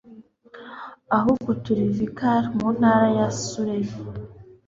ahubwo turi vicar, mu ntara ya surrey